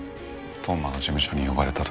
当麻の事務所に呼ばれた時の。